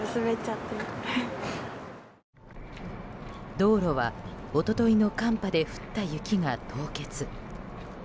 道路は一昨日の寒波で降った雪が凍結。